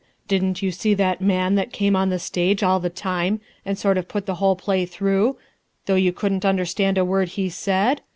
Didn't you see that man that came on the stage all the time and sort of put the whole play through, though you couldn't understand a word he said?